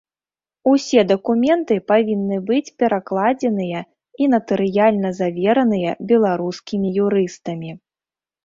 Усе дакументы павінны быць перакладзеныя і натарыяльна завераныя беларускімі юрыстамі.